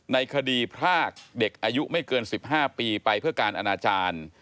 ในคดีพรากเด็กอายุไม่เกิน๑๕ปีไปเพื่อการอนาจารย์